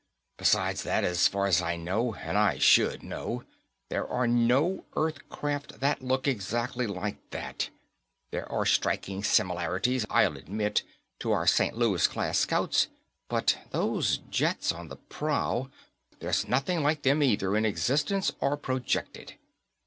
"Besides that, as far as I know, and I should know, there are no Earth craft that look exactly like that. There are striking similarities, I'll admit, to our St. Louis class scouts, but those jets on the prow there's nothing like them either in existence or projected."